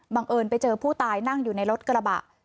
เอิญไปเจอผู้ตายนั่งอยู่ในรถกระบะ